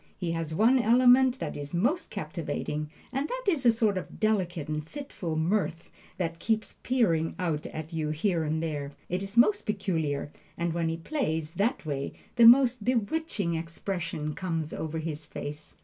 He has one element that is most captivating, and that is a sort of delicate and fitful mirth that keeps peering out at you here and there. It is most peculiar, and when he plays that way, the most bewitching expression comes over his face.